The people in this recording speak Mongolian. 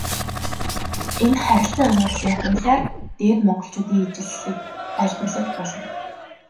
Энэ харилцаа хамаарлын хуулиар Дээд Монголчуудын ижилслийг тайлбарлаж болно.